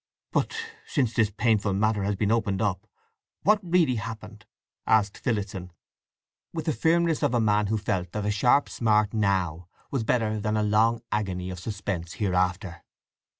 "But—since this painful matter has been opened up—what really happened?" asked Phillotson, with the firmness of a man who felt that a sharp smart now was better than a long agony of suspense hereafter.